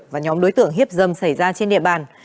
và nhóm đối tượng hiếp dâm xảy ra trên địa bàn